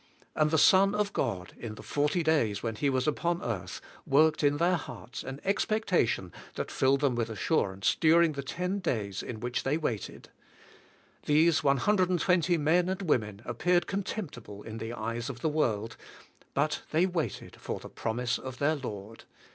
And the Son of God, in the 40 days He was upon the earth, worked in their hearts an expectation that filled them with assurance dur ing the 10 days in which they waited. These 120 inen and women appeared contemptible in the eyes of the world, but they waited for the promise of their Lord.